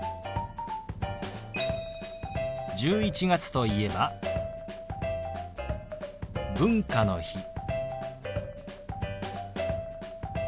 １１月といえば「文化の日」。